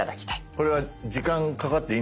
これは時間かかっていいんですね？